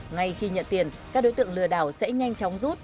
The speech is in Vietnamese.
ngay khi nhận tiền các đối tượng lừa đảo sẽ nhanh chóng rút